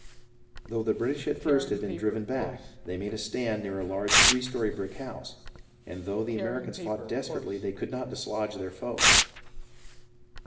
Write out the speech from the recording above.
Though the British at first had been driven back, they made a stand near a large three story brick house, and though the Americans fought desperately, they could not dislodge their foe.